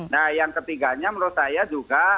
nah yang ketiganya menurut saya juga